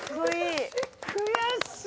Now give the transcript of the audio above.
悔しい。